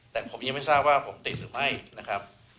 แต่ผมยังไม่ทราบว่าผมติดหรือไม่นะครับ